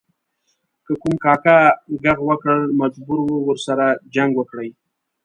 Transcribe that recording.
که کوم کاکه ږغ وکړ مجبور و ورسره جنګ وکړي.